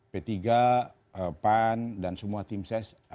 p tiga pan dan semua tim ses